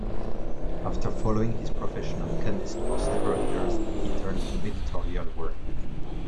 After following his profession of chemist for several years, he turned to editorial work.